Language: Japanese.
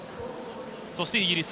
そしてイギリス。